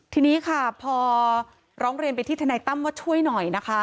ทีนี้ค่ะพอร้องเรียนไปที่ทนายตั้มว่าช่วยหน่อยนะคะ